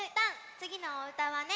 つぎのおうたはね